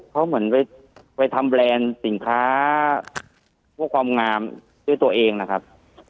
เขาเหมือนไปทำแบรนด์สินค้าเพื่อความงามด้วยตัวเองนะครับ